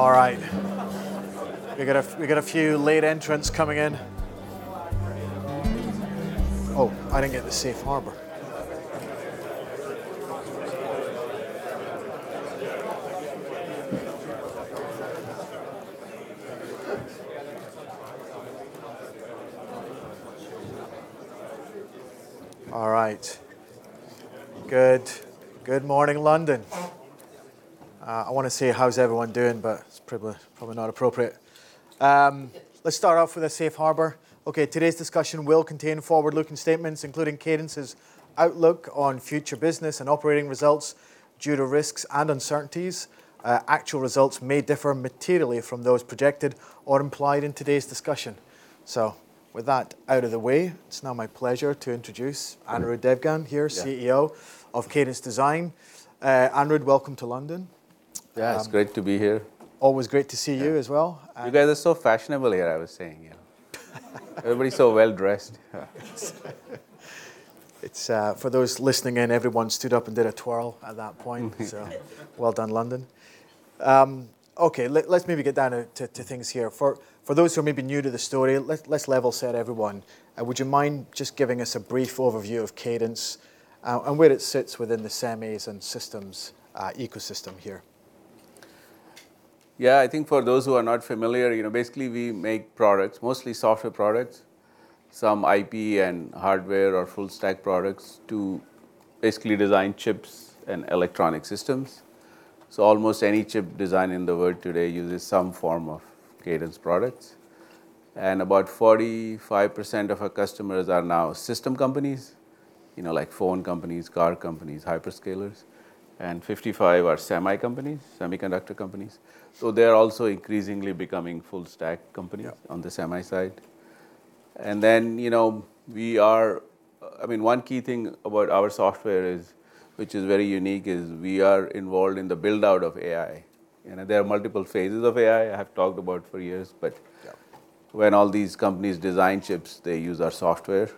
All right. We got a few late entrants coming in. Oh, I didn't get the safe harbor. All right. Good morning, London. I want to see how everyone's doing, but it's probably not appropriate. Let's start off with a safe harbor. Today's discussion will contain forward-looking statements, including Cadence's outlook on future business and operating results due to risks and uncertainties. Actual results may differ materially from those projected or implied in today's discussion. With that out of the way, it's now my pleasure to introduce Anirudh Devgan here, CEO of Cadence Design Systems. Anirudh, welcome to London. Yeah, it's great to be here. Always great to see you as well. You guys are so fashionable here, I was saying. Everybody's so well-dressed. For those listening in, everyone stood up and did a twirl at that point. Well done, London. Let's maybe get down to things here. For those who are maybe new to the story, let's level-set everyone. Would you mind just giving us a brief overview of Cadence and where it sits within the semis and systems ecosystem here? Yeah, I think for those who are not familiar, basically we make products, mostly software products, some IP and hardware or full-stack products to basically design chips and electronic systems. Almost any chip design in the world today uses some form of Cadence products. About 45% of our customers are now system companies, like phone companies, car companies, hyperscalers, and 55% are semiconductor companies. They're also increasingly becoming full-stack companies on the semi side. Then one key thing about our software, which is very unique, is we are involved in the build-out of AI. There are multiple phases of AI I have talked about for years, but when all these companies design chips, they use our software,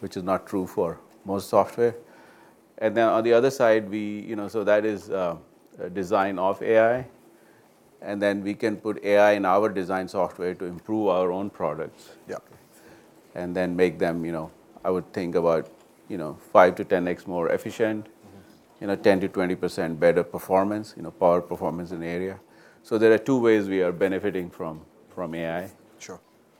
which is not true for most software. Then on the other side, that is design of AI. Then we can put AI in our design software to improve our own products and then make them, I would think, about 5X-10X more efficient, 10%-20% better performance, power, performance, and area. There are two ways we are benefiting from AI.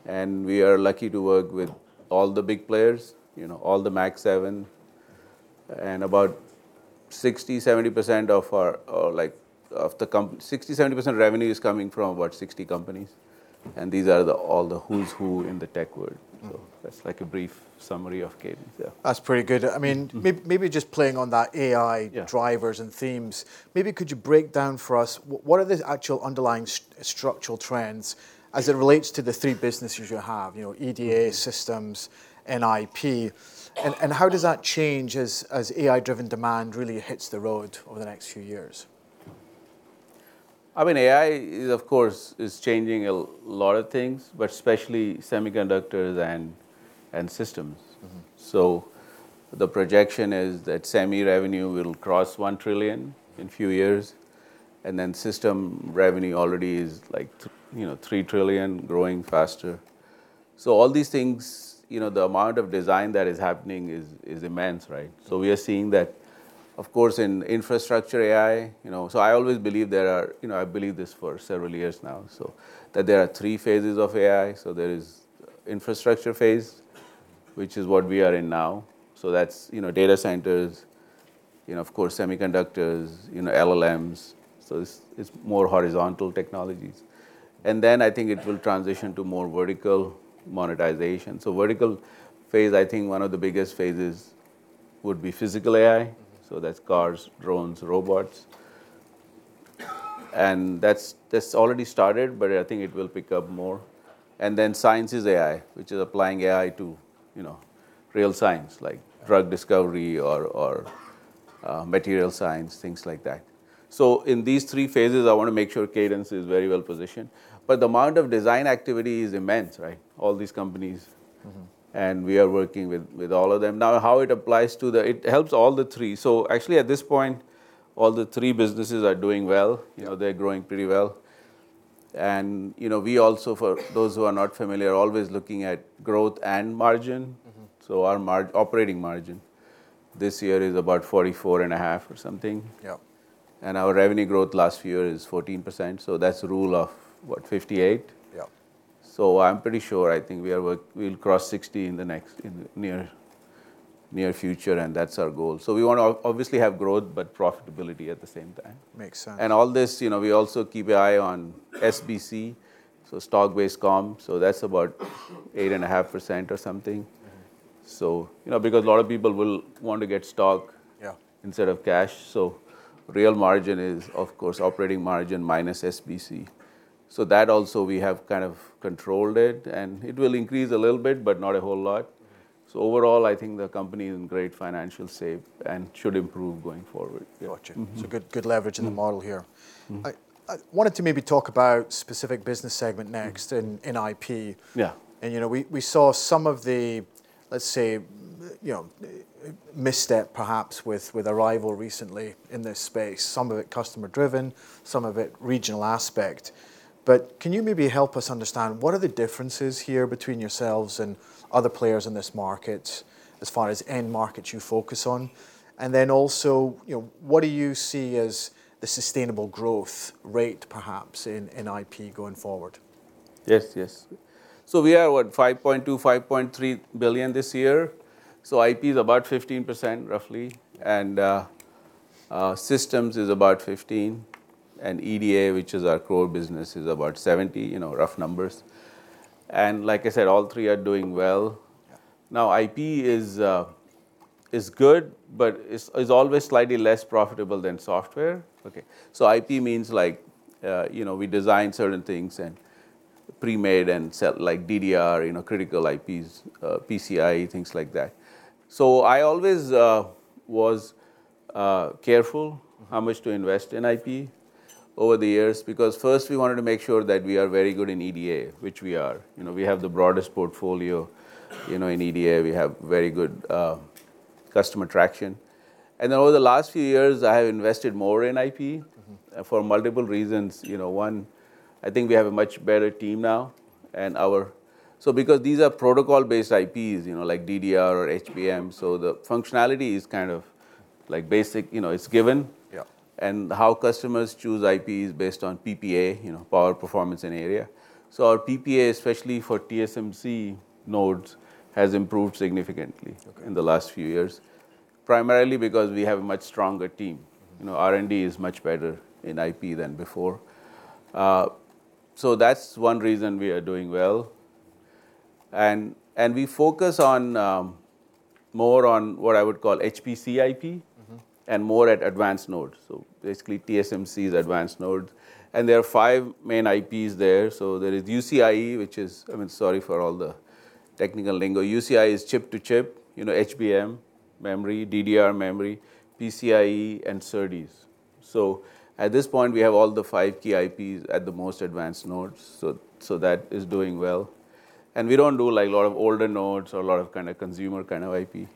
We are lucky to work with all the big players, all the Mac 7, and about 60%-70% of the revenue is coming from about 60 companies. These are all the who's who in the tech world. That's like a brief summary of Cadence. That's pretty good. Maybe just playing on that AI drivers and themes, maybe could you break down for us what are the actual underlying structural trends as it relates to the three businesses you have, EDA, systems, and IP? How does that change as AI-driven demand really hits the road over the next few years? I mean, AI, of course, is changing a lot of things, but especially semiconductors and systems. The projection is that semi revenue will cross $1 trillion in a few years. Then system revenue already is like $3 trillion, growing faster. All these things, the amount of design that is happening is immense. We are seeing that, of course, in infrastructure AI. I always believe there are, I believe this for several years now, that there are three phases of AI. There is the infrastructure phase, which is what we are in now. That's data centers, of course, semiconductors, LLMs. It's more horizontal technologies. Then I think it will transition to more vertical monetization. Vertical phase, I think one of the biggest phases would be physical AI. That's cars, drones, robots. That's already started, but I think it will pick up more. Then science is AI, which is applying AI to real science, like drug discovery or material science, things like that. In these three phases, I want to make sure Cadence is very well positioned. But the amount of design activity is immense, all these companies, and we are working with all of them. Now, how it applies to the, it helps all the three. Actually, at this point, all the three businesses are doing well. They're growing pretty well. We also, for those who are not familiar, are always looking at growth and margin. Our operating margin this year is about 44.5% or something. Our revenue growth last year is 14%. That's rule of 58%. I'm pretty sure I think we'll cross 60% in the near future, and that's our goal. We want to obviously have growth, but profitability at the same time. Makes sense. All this, we also keep an eye on SBC, stock-based comp. That's about 8.5% or something. Because a lot of people will want to get stock instead of cash. Real margin is, of course, operating margin minus SBC. That also we have kind of controlled it, and it will increase a little bit, but not a whole lot. Overall, I think the company is in great financial shape and should improve going forward. Got you. Good leverage in the model here. I wanted to maybe talk about specific business segment next in IP. We saw some of the, let's say, misstep perhaps with Arrival recently in this space. Some of it customer-driven, some of it regional aspect, but can you maybe help us understand what are the differences here between yourselves and other players in this market as far as end markets you focus on, then also, what do you see as the sustainable growth rate perhaps in IP going forward? Yes. We are at $5.2 billion-$5.3 billion this year. IP is about 15% roughly, and systems is about 15%, and EDA, which is our core business, is about 70%, rough numbers. Like I said, all three are doing well. Now, IP is good, but it's always slightly less profitable than software. IP means we design certain things and pre-made and sell like DDR, critical IPs, PCI, things like that. I always was careful how much to invest in IP over the years because first we wanted to make sure that we are very good in EDA, which we are. We have the broadest portfolio in EDA. We have very good customer traction. Then over the last few years, I have invested more in IP for multiple reasons. One, I think we have a much better team now. Because these are protocol-based IPs like DDR or HBM, the functionality is kind of basic, it's given. How customers choose IP is based on PPA, power performance in area. Our PPA, especially for TSMC nodes, has improved significantly in the last few years, primarily because we have a much stronger team. R&D is much better in IP than before. That's one reason we are doing well. We focus more on what I would call HPC IP and more at advanced nodes. Basically, TSMC's advanced nodes. There are five main IPs there. There is UCIe, which is, I'm sorry for all the technical lingo. UCIe is chip to chip, HBM memory, DDR memory, PCIe, and SerDes. At this point, we have all the five key IPs at the most advanced nodes. That is doing well. We don't do a lot of older nodes or a lot of consumer kind of IP.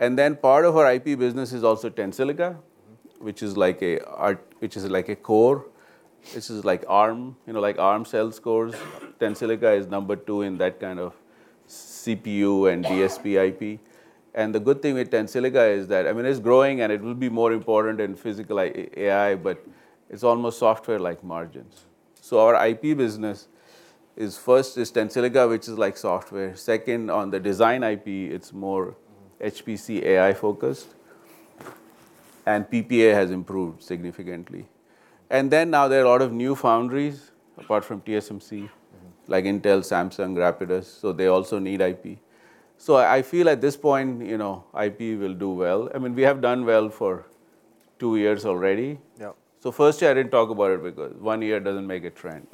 Then part of our IP business is also Tensilica, which is like a core. This is like ARM, like ARM-class scores. Tensilica is number two in that kind of CPU and DSP IP. The good thing with Tensilica is that it's growing and it will be more important in physical AI, but it's almost software-like margins. Our IP business is first is Tensilica, which is like software. Second, on the design IP, it's more HPC AI focused, and PPA has improved significantly. Then now there are a lot of new foundries apart from TSMC, like Intel, Samsung, Rapidus. They also need IP. I feel at this point IP will do well. We have done well for two years already. First year, I didn't talk about it because one year doesn't make a trend.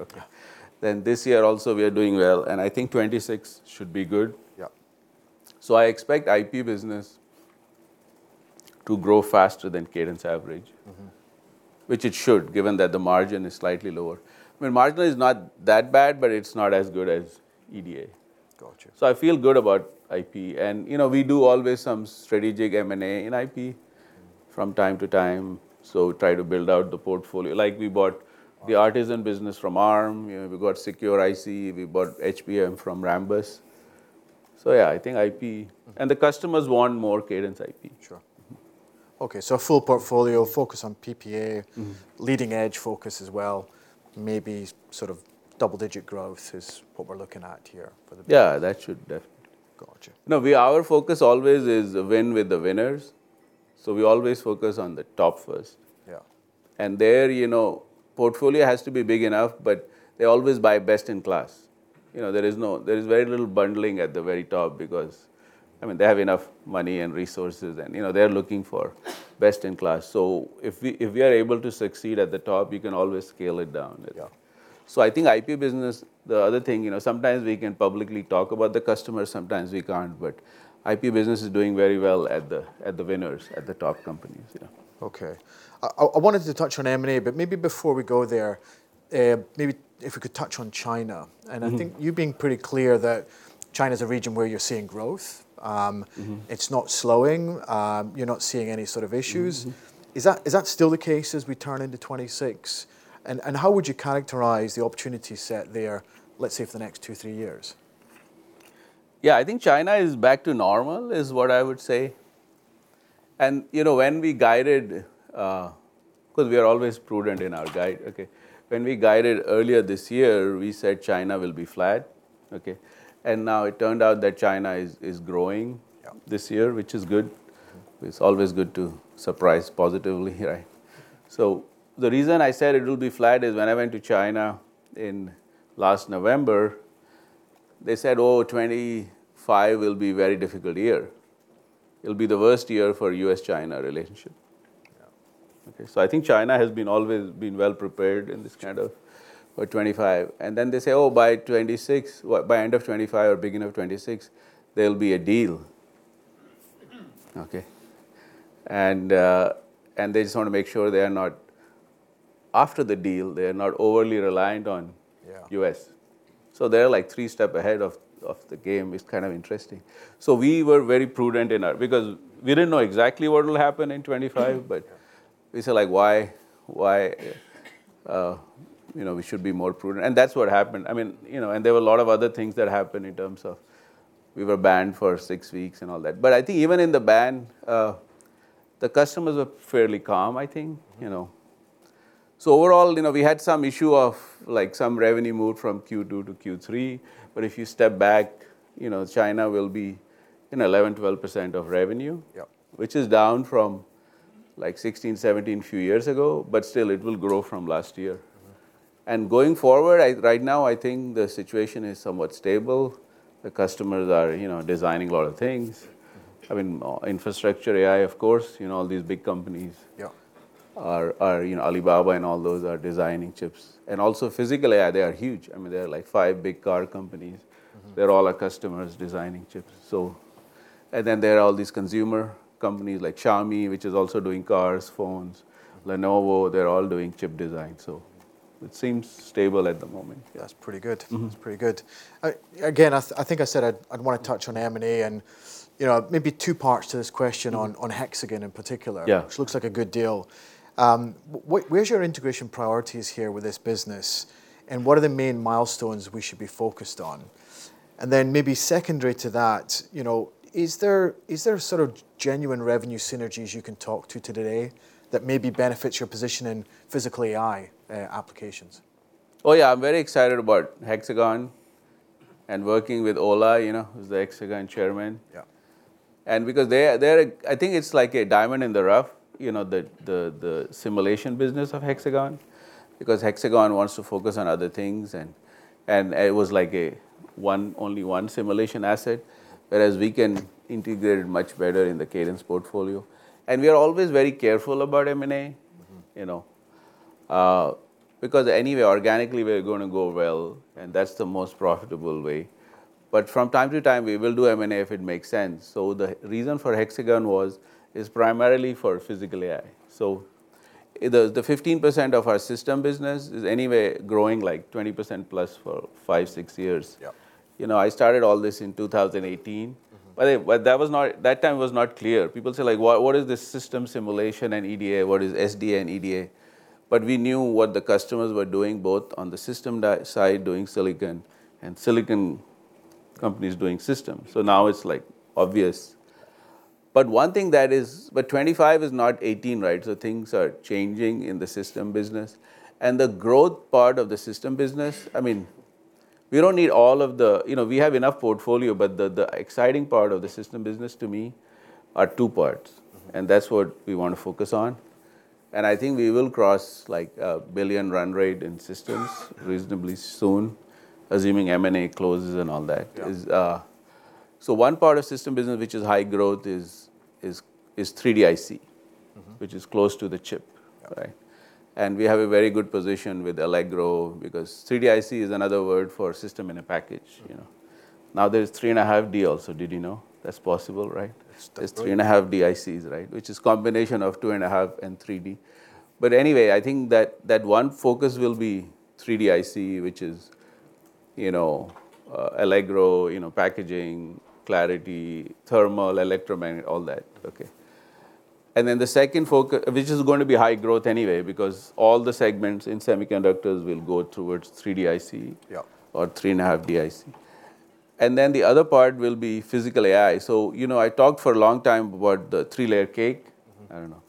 Then this year also we are doing well. I think 2026 should be good. I expect IP business to grow faster than Cadence average, which it should, given that the margin is slightly lower. Margin is not that bad, but it's not as good as EDA. I feel good about IP. We do always some strategic M&A in IP from time to time. Try to build out the portfolio. We bought the Artisan business from ARM. We bought Secure IC. We bought HBM from Rambus. Yeah, I think IP and the customers want more Cadence IP. Sure. Okay. Full portfolio, focus on PPA, leading edge focus as well. Maybe double-digit growth is what we're looking at here for the business. Yeah, that should definitely. Got you. Our focus always is win with the winners. We always focus on the top first. Their portfolio has to be big enough, but they always buy best in class. There is very little bundling at the very top because they have enough money and resources, and they're looking for best in class. If we are able to succeed at the top, we can always scale it down. I think IP business, the other thing, sometimes we can publicly talk about the customers, sometimes we can't, but IP business is doing very well at the winners, at the top companies. Okay. I wanted to touch on M&A, but maybe before we go there, maybe if we could touch on China. I think you've been pretty clear that China is a region where you're seeing growth. It's not slowing. You're not seeing any sort of issues. Is that still the case as we turn into 2026? How would you characterize the opportunity set there, let's say for the next two, three years? Yeah, I think China is back to normal is what I would say. When we guided, because we are always prudent in our guide, when we guided earlier this year, we said China will be flat. Now it turned out that China is growing this year, which is good. It's always good to surprise positively. The reason I said it will be flat is when I went to China in last November, they said, "Oh, 2025 will be a very difficult year. It'll be the worst year for U.S.-China relationship." I think China has always been well prepared in this kind of for 2025. Then they say, "Oh, by 2026, by end of 2025 or beginning of 2026, there'll be a deal." They just want to make sure they are not, after the deal, they are not overly reliant on U.S. They're like three steps ahead of the game, which is kind of interesting. We were very prudent in our, because we didn't know exactly what will happen in 2025, but we said, "Why? We should be more prudent." That's what happened. There were a lot of other things that happened in terms of we were banned for six weeks and all that. But I think even in the ban, the customers were fairly calm, I think. Overall, we had some issue of some revenue moved from Q2 to Q3. But if you step back, China will be in 11%-12% of revenue, which is down from 16%-17% a few years ago, but still it will grow from last year. Going forward, right now I think the situation is somewhat stable. The customers are designing a lot of things. Infrastructure AI, of course, all these big companies, Alibaba and all those are designing chips. Also physical AI, they are huge. They're like five big car companies. They're all our customers designing chips. Then there are all these consumer companies like Xiaomi, which is also doing cars, phones, Lenovo, they're all doing chip design. It seems stable at the moment. Yeah, that's pretty good. That's pretty good. Again, I think I said I'd want to touch on M&A and maybe two parts to this question on Hexagon in particular, which looks like a good deal. Where's your integration priorities here with this business? What are the main milestones we should be focused on? Then maybe secondary to that, is there genuine revenue synergies you can talk to today that maybe benefits your position in physical AI applications? Oh yeah, I'm very excited about Hexagon and working with Ola, who's the Hexagon chairman. I think it's like a diamond in the rough, the simulation business of Hexagon, because Hexagon wants to focus on other things. It was like only one simulation asset, whereas we can integrate it much better in the Cadence portfolio. We are always very careful about M&A, because anyway, organically we're going to go well, and that's the most profitable way. But from time to time, we will do M&A if it makes sense. The reason for Hexagon was primarily for physical AI. The 15% of our system business is anyway growing like 20% plus for five, six years. I started all this in 2018. That time was not clear. People say, "What is the system simulation and EDA? “What is SDA and EDA?” But we knew what the customers were doing, both on the system side, doing silicon, and silicon companies doing systems. Now it's like obvious. But one thing that is, but 25 is not 18, right? Things are changing in the system business. The growth part of the system business, we don't need all of the, we have enough portfolio, but the exciting part of the system business to me are two parts, and that's what we want to focus on. I think we will cross a billion run rate in systems reasonably soon, assuming M&A closes and all that. One part of system business, which is high growth, is 3D IC, which is close to the chip. We have a very good position with Allegro, because 3D IC is another word for system in a package. Now there's 3.5D also, did you know? That's possible, right? There's 3.5D ICs, which is a combination of 2.5D and 3D-IC. But anyway, I think that one focus will be 3D-IC, which is Allegro, packaging, Clarity, thermal, electromagnetic, all that. Then the second focus, which is going to be high growth anyway, because all the segments in semiconductors will go towards 3D-IC or 3.5D IC. Then the other part will be Physical AI. I talked for a long time about the three-layer cake.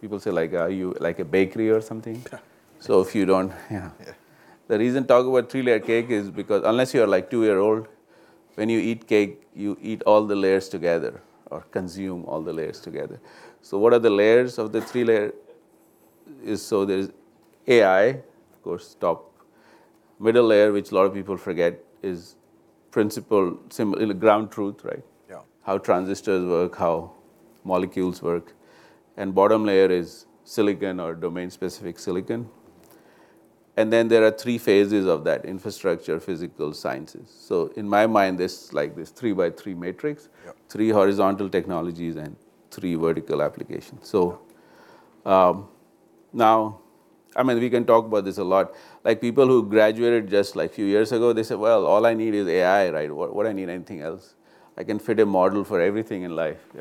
People say, "Are you like a bakery or something?" If you don't, yeah. The reason talk about three-layer cake is because unless you're like two years old, when you eat cake, you eat all the layers together or consume all the layers together. What are the layers of the three-layer? There's AI, of course, top. Middle layer, which a lot of people forget, is principle, ground truth, how transistors work, how molecules work. Bottom layer is silicon or domain-specific silicon. Then there are three phases of that, infrastructure, physical, sciences. In my mind, there's like this three by three matrix, three horizontal technologies, and three vertical applications. Now, we can talk about this a lot. People who graduated just a few years ago, they said, "Well, all I need is AI. What do I need? Anything else? I can fit a model for everything in life."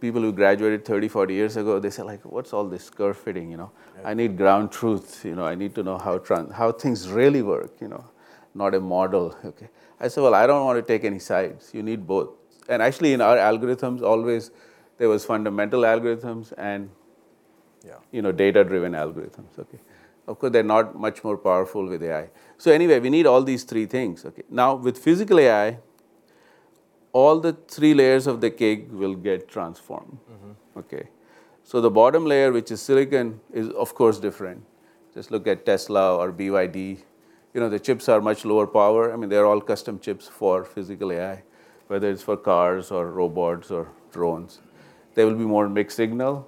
People who graduated 30, 40 years ago, they said, "What's all this curve fitting? I need ground truth. I need to know how things really work, not a model." I said, "Well, I don't want to take any sides. You need both." Actually, in our algorithms, always there was fundamental algorithms and data-driven algorithms. Of course, they're not much more powerful with AI. Anyway, we need all these three things. Now, with physical AI, all the three layers of the cake will get transformed. The bottom layer, which is silicon, is of course different. Just look at Tesla or BYD. The chips are much lower power. They're all custom chips for physical AI, whether it's for cars or robots or drones. They will be more mixed signal,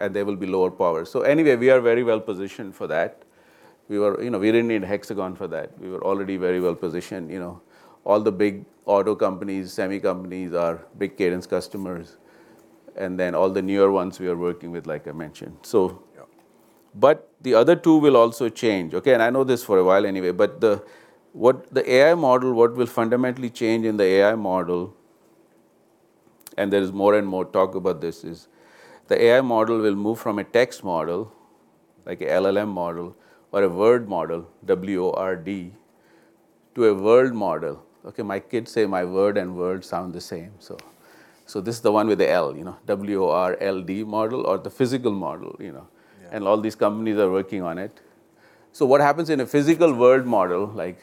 and they will be lower power. Anyway, we are very well positioned for that. We didn't need Hexagon for that. We were already very well positioned. All the big auto companies, semi companies are big Cadence customers. Then all the newer ones we are working with, like I mentioned. But the other two will also change. I know this for a while anyway, but what the AI model, what will fundamentally change in the AI model, and there's more and more talk about this, is the AI model will move from a text model, like an LLM model, or a word model, W-O-R-D, to a world model. My kids say my word and world sound the same. This is the one with the L, W-O-R-L-D model, or the physical model. All these companies are working on it. What happens in a physical world model, like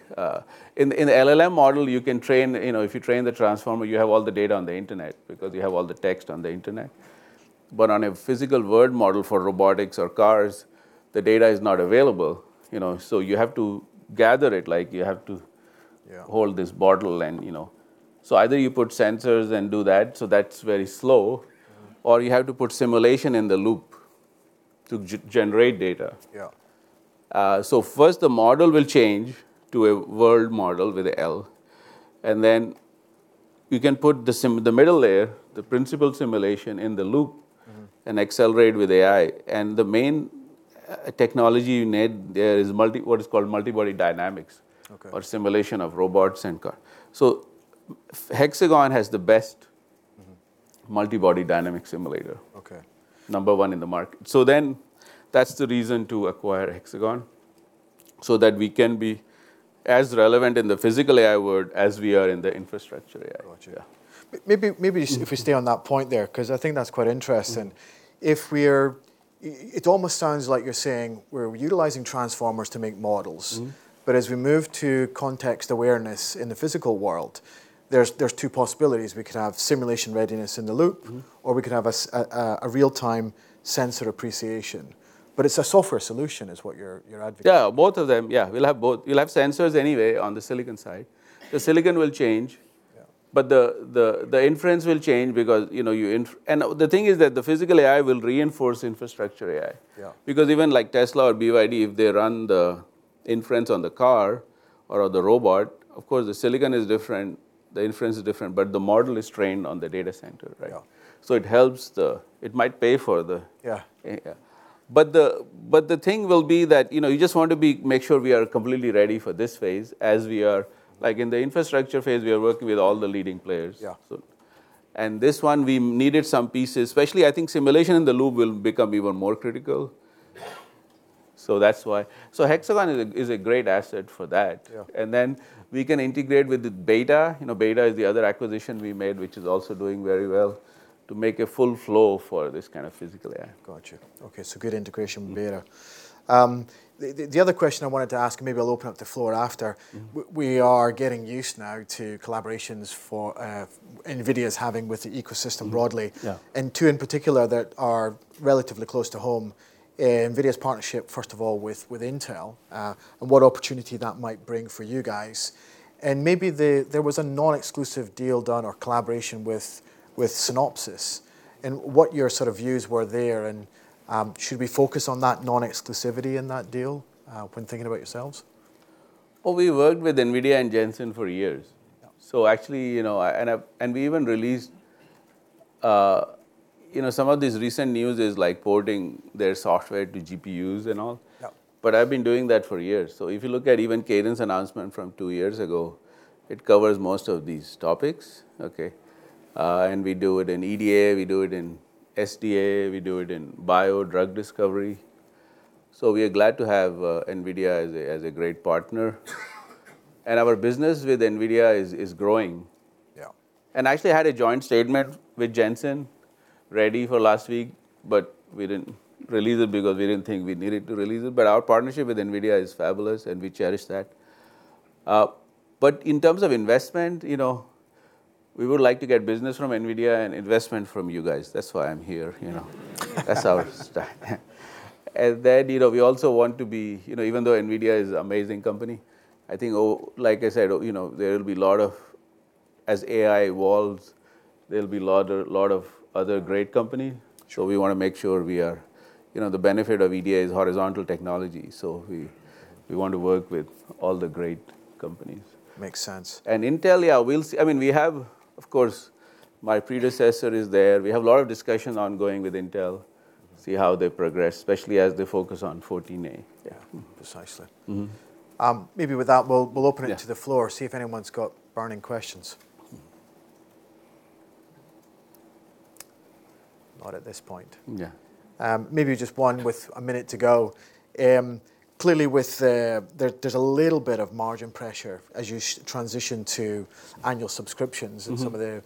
in the LLM model, you can train, if you train the transformer, you have all the data on the internet, because you have all the text on the internet. But on a physical world model for robotics or cars, the data is not available. You have to gather it. You have to hold this bottle. Either you put sensors and do that, so that's very slow, or you have to put simulation in the loop to generate data. First, the model will change to a world model with the LLM. Then you can put the middle layer, the physical simulation in the loop and accelerate with AI. The main technology you need there is what is called multibody dynamics or simulation of robots and cars. Hexagon has the best multibody dynamics simulator, number one in the market. That's the reason to acquire Hexagon, so that we can be as relevant in the physical AI world as we are in the infrastructure AI. Got you. Maybe if we stay on that point there, because I think that's quite interesting. It almost sounds like you're saying we're utilizing transformers to make models. But as we move to context awareness in the physical world, there's two possibilities. We could have simulation readiness in the loop, or we could have a real-time sensor appreciation. But it's a software solution is what you're advocating. Yeah, both of them. Yeah, we'll have sensors anyway on the silicon side. The silicon will change, but the inference will change, because the thing is that the physical AI will reinforce infrastructure AI. Because even like Tesla or BYD, if they run the inference on the car or on the robot, of course the silicon is different, the inference is different, but the model is trained on the data center. It helps, it might pay for the. But the thing will be that you just want to make sure we are completely ready for this phase. Like in the infrastructure phase, we are working with all the leading players. This one, we needed some pieces, especially I think simulation in the loop will become even more critical. That's why. Hexagon is a great asset for that. Then we can integrate with Beta. Beta is the other acquisition we made, which is also doing very well to make a full flow for this kind of physical AI. Got you. Okay, so good integration with Beta. The other question I wanted to ask, maybe I'll open up the floor after. We are getting used now to collaborations NVIDIA is having with the ecosystem broadly, and two in particular that are relatively close to home. NVIDIA's partnership, first of all, with Intel, and what opportunity that might bring for you guys. Maybe there was a non-exclusive deal done or collaboration with Synopsys. What your views were there, and should we focus on that non-exclusivity in that deal when thinking about yourselves? We worked with NVIDIA and Jensen for years. Actually, we even released some of this recent news, like porting their software to GPUs and all. But I've been doing that for years. If you look at even Cadence announcement from two years ago, it covers most of these topics. We do it in EDA, we do it in SDA, we do it in bio drug discovery. We are glad to have NVIDIA as a great partner. Our business with NVIDIA is growing. I actually had a joint statement with Jensen ready for last week, but we didn't release it because we didn't think we needed to release it. Our partnership with NVIDIA is fabulous, and we cherish that. In terms of investment, we would like to get business from NVIDIA and investment from you guys. That's why I'm here. That's our style. Then we also want to be, even though NVIDIA is an amazing company, I think like I said, there will be a lot of, as AI evolves, there'll be a lot of other great companies. We want to make sure we are, the benefit of EDA is horizontal technology. We want to work with all the great companies. Makes sense. Intel, yeah, we'll see. We have, of course, my predecessor is there. We have a lot of discussion ongoing with Intel, see how they progress, especially as they focus on 14A. Precisely. Maybe with that, we'll open it to the floor, see if anyone's got burning questions. Not at this point. Maybe just one with a minute to go. Clearly, there's a little bit of margin pressure as you transition to annual subscriptions and some of the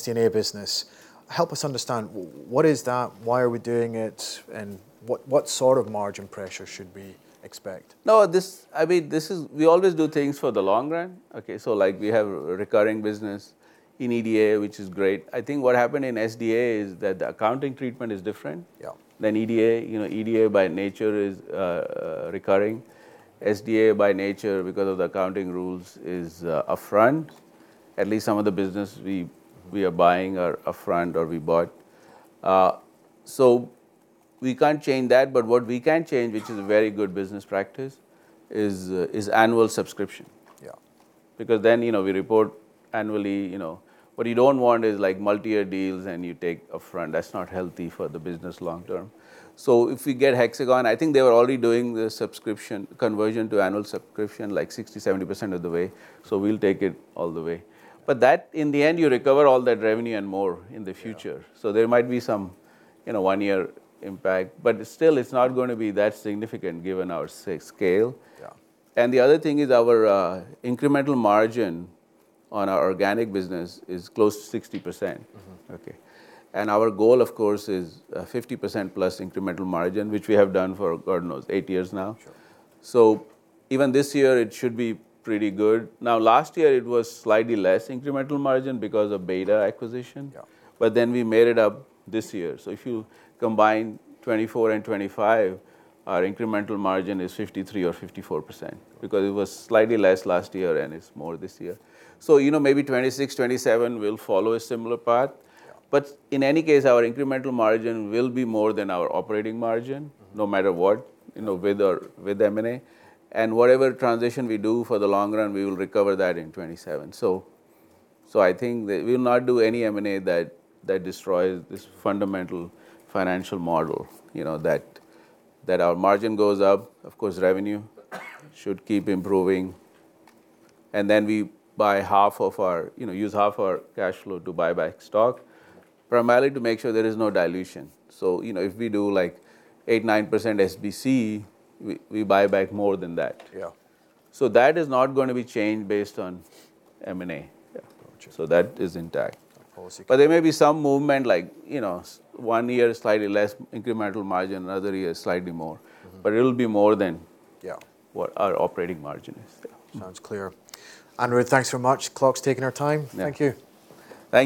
SDA business. Help us understand, what is that? Why are we doing it? What sort of margin pressure should we expect? No, we always do things for the long run. We have recurring business in EDA, which is great. I think what happened in SDA is that the accounting treatment is different than EDA. EDA by nature is recurring. SDA by nature, because of the accounting rules, is upfront. At least some of the business we are buying are upfront or we bought. We can't change that, but what we can change, which is a very good business practice, is annual subscription. Because then we report annually. What you don't want is multi-year deals and you take upfront. That's not healthy for the business long term. If we get Hexagon, I think they were already doing the subscription conversion to annual subscription like 60%-70% of the way. We'll take it all the way, but that, in the end, you recover all that revenue and more in the future. There might be some one-year impact, but still, it's not going to be that significant given our scale. The other thing is our incremental margin on our organic business is close to 60%. Our goal, of course, is 50% plus incremental margin, which we have done for eight years now. Even this year, it should be pretty good. Now, last year it was slightly less incremental margin because of Beta acquisition. But then we made it up this year. If you combine 2024 and 2025, our incremental margin is 53% or 54%, because it was slightly less last year and it's more this year. Maybe 2026, 2027 will follow a similar path. But in any case, our incremental margin will be more than our operating margin, no matter what, with M&A. Whatever transition we do for the long run, we will recover that in 2027. I think we will not do any M&A that destroys this fundamental financial model. That our margin goes up, of course, revenue should keep improving. Then we buy half of our, use half our cash flow to buy back stock, primarily to make sure there is no dilution. If we do like 8%-9% SBC, we buy back more than that. That is not going to be changed based on M&A. That is intact. But there may be some movement, like one year slightly less incremental margin, another year slightly more. But it'll be more than what our operating margin is. Sounds clear. Anirudh, thanks very much. Clock's taking our time. Thank you. Thanks.